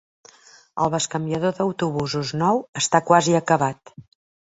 El bescanviador d'autobusos nou està quasi acabat.